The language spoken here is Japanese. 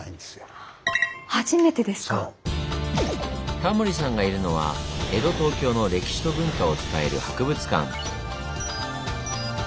タモリさんがいるのは江戸・東京の歴史と文化を伝える博物館。